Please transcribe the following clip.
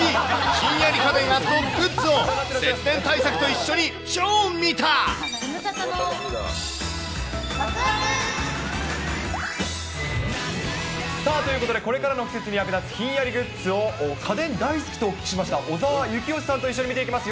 ひんやり家電＆グッズを節電対策と一緒に超見た！ということで、これからの季節に役立つひんやりグッズを、家電大好きとお聞きしました、小澤征悦さんと一緒に見ていきます。